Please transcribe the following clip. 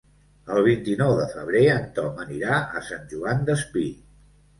El vint-i-nou de febrer en Tom anirà a Sant Joan Despí.